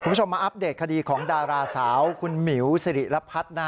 คุณผู้ชมมาอัปเดตคดีของดาราสาวคุณหมิวสิริรพัฒน์